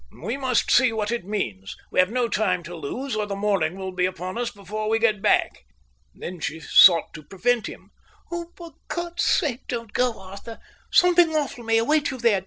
"We must see what it means. We have no time to lose, or the morning will be upon us before we get back." Then she sought to prevent him. "Oh, for God's sake, don't go, Arthur. Something awful may await you there.